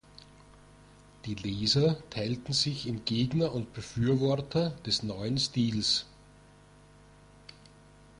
Die Leser teilten sich in Gegner und Befürworter des neuen Stils.